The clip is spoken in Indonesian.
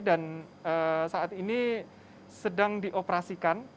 dan saat ini sedang dioperasikan